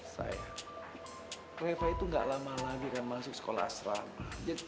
saya reva itu gak lama lagi kan masuk sekolah asrama